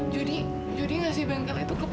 jody jody ngasih bengkel itu ke papa